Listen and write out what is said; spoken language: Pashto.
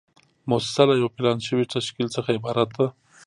موسسه له یو پلان شوي تشکیل څخه عبارت ده.